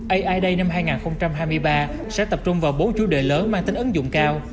ai day năm hai nghìn hai mươi ba sẽ tập trung vào bốn chủ đề lớn mang tính ứng dụng cao